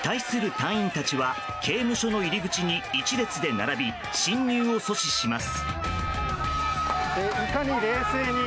隊員たちは刑務所の入り口に一列で並び、侵入を阻止します。